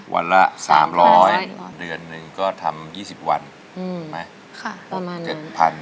วันละ๓๐๐เดือนหนึ่งก็ทำ๒๐วันไหม